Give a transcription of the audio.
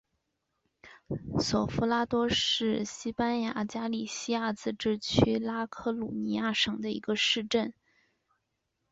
索夫拉多是西班牙加利西亚自治区拉科鲁尼亚省的一个市镇。